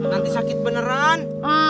nanti sakit beneran